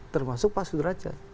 termasuk pak sudiraca